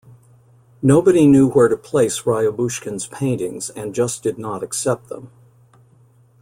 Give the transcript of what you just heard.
Nobody knew where to place Ryabushkin's paintings and just did not accept them.